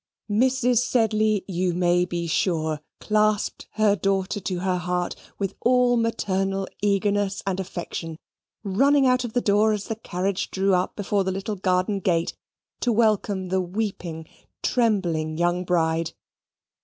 Mrs. Sedley, you may be sure, clasped her daughter to her heart with all maternal eagerness and affection, running out of the door as the carriage drew up before the little garden gate, to welcome the weeping, trembling, young bride.